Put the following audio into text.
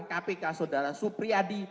kpk saudara supriyadi